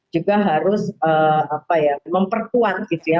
juga harus memperkuat gitu ya